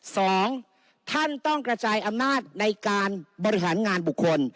สองท่านต้องกระจายอำนาจในการบริหารงานบุคคล